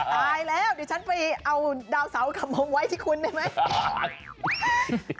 ตายแล้วเดี๋ยวฉันไปเอาดาวเสากลับมาไว้ที่คุณได้ไหม